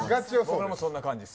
俺もそんな感じです。